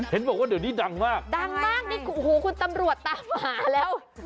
เห็นบอกว่าเดี๋ยวนี้ดังมากดังมากนี่โอ้โหคุณตำรวจตามหาแล้ว